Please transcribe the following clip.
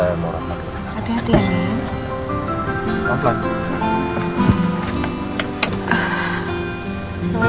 assalamualaikum warahmatullahi wabarakatuh